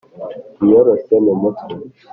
iyoroshye mu mutwe